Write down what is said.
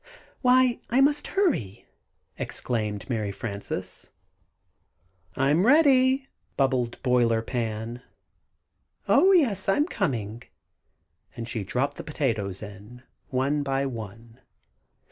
] "Why, I must hurry," exclaimed Mary Frances. "I'm ready," bubbled Boiler Pan. "Oh, yes, I'm coming," and she dropped the potatoes in one by one.